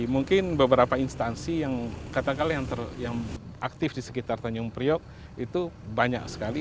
mungkin beberapa instansi yang katakan yang aktif di sekitar tanjung priok itu banyak sekali